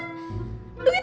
duitnya dari ma